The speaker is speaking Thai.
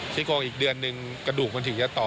โกงอีกเดือนนึงกระดูกมันถึงจะต่อ